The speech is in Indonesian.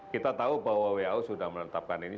kita tahu bahwa wao sudah menetapkan ini sebetulnya